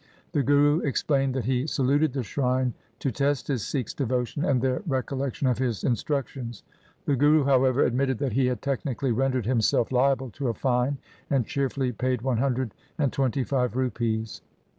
The Guru explained that he saluted the shrine to test his Sikhs' devotion and their recollection of his instructions. The Guru, however, admitted that he had technically rendered himself liable to a fine, and cheerfully paid one hundred and twenty five rupees.